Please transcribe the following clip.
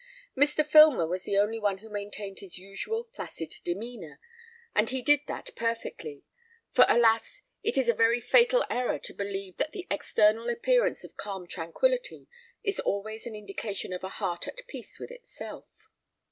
Mr. Filmer was the only one who maintained his usual placid demeanour, and he did that perfectly; for, alas! it is a very fatal error to believe that the external appearance of calm tranquillity is always an indication of a heart at peace with itself.